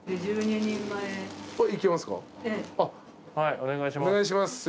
お願いします。